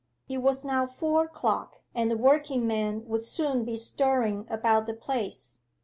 It was now four o'clock, and the working men would soon be stirring about the place.